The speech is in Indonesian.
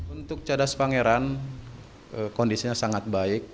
untuk cadas pangeran kondisinya sangat baik